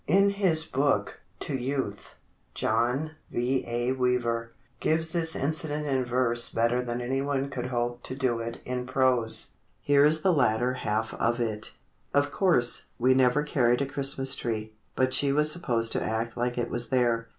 In his book, "To Youth," John V. A. Weaver, gives this incident in verse better than anyone could hope to do it in prose. Here is the latter half of it: Of course, we never carried a Christmas tree, But she was supposed to act like it was there.